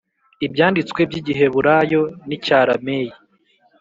Ibyanditswe by igiheburayo n icyarameyi